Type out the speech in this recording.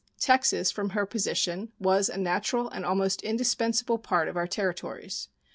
Texas, from her position, was a natural and almost indispensable part of our territories.